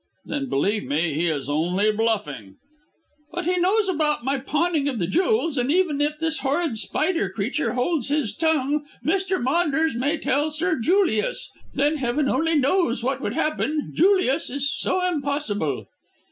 "Then, believe me, he is only bluffing." "But he knows about my pawning of the jewels, and even if this horrid Spider creature holds his tongue Mr. Maunders may tell Sir Julius. Then heaven only knows what would happen; Julius is so impossible."